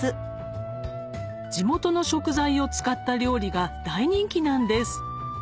地元の食材を使った料理が大人気なんです！